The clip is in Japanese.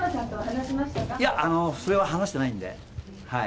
いや、それは話してないんで。